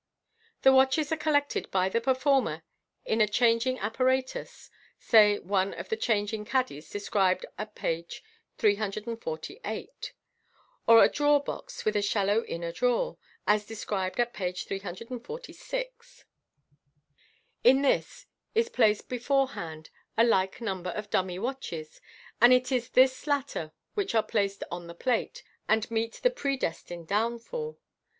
The watches are collected by the performer in a changing apparatus (say one of the chang ing caddies described at page 348, or a drawer box with a shallow inner drawer, as described at page 346). In this is placed beforehand a like number ofdummy watches, and it is these latter which are placed on the plate, and meet the pre destined downfall.